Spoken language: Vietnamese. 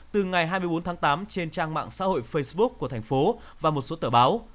từ ngày hai mươi bốn tháng tám trên trang mạng xã hội facebook của thành phố và một số tờ báo